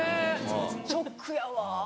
ショックやわ。